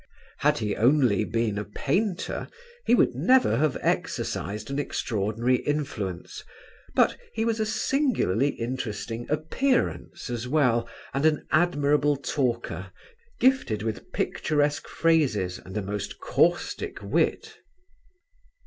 Had he only been a painter he would never have exercised an extraordinary influence; but he was a singularly interesting appearance as well and an admirable talker gifted with picturesque phrases and a most caustic wit.